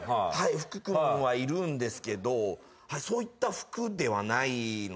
福君はいるんですけどそういった福ではないので。